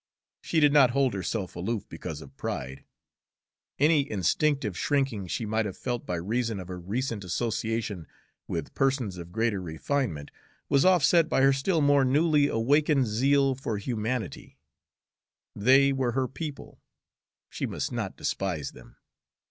She did not hold herself aloof because of pride; any instinctive shrinking she might have felt by reason of her recent association with persons of greater refinement was offset by her still more newly awakened zeal for humanity; they were her people, she must not despise them.